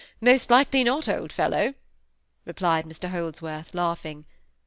most likely not, old fellow," replied Mr Holdsworth, laughing.